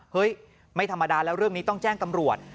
เฮ้ยไม่ธรรมดาแล้วเรื่องนี้ต้องแจ้งตำรวจ